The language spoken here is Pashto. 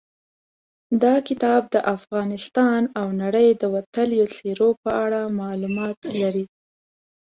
دا کتاب د افغانستان او نړۍ د وتلیو څېرو په اړه معلومات لري.